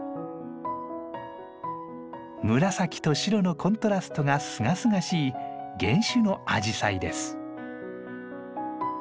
紫と白のコントラストがすがすがしい原種のアジサイです。